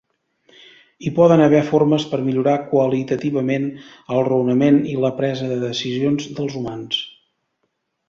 Hi poden haver formes per millorar "qualitativament" el raonament i la presa de decisions dels humans.